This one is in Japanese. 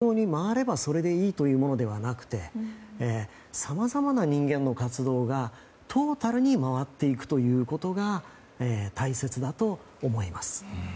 単に、病気にならない医療が正常に回ればそれでいいというものではなくてさまざまな人間の活動がトータルに回っていくということが大切だと思います。